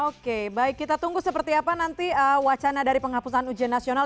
oke baik kita tunggu seperti apa nanti wacana dari penghapusan ujian nasional